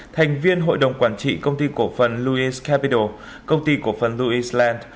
thành viên hội đồng quản trị công ty cổ phần lewis capital công ty cổ phần lewis land